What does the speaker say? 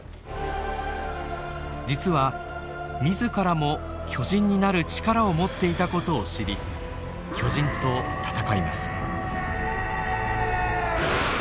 実は自らも巨人になる力を持っていた事を知り巨人と戦います。